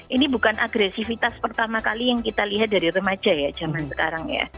ini bukan agresivitas pertama kali yang kita lihat dari remaja ya zaman sekarang ya